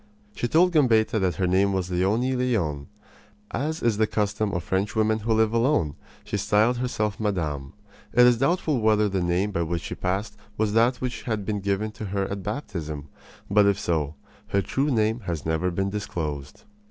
She told Gambetta that her name was Leonie Leon. As is the custom of Frenchwomen who live alone, she styled herself madame. It is doubtful whether the name by which she passed was that which had been given to her at baptism; but, if so, her true name has never been disclosed.